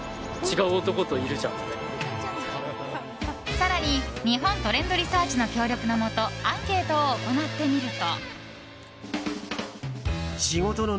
更に、日本トレンドリサーチの協力のもとアンケートを行ってみると。